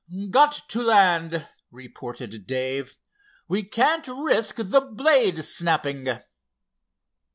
"Got to land," reported Dave. "We can't risk the blade snapping."